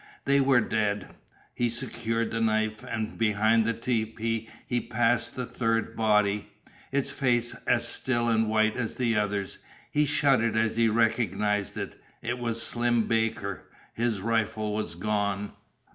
They were dead. He secured the knife, and behind the tepee he passed the third body, its face as still and white as the others. He shuddered as he recognized it. It was Slim Barker. His rifle was gone.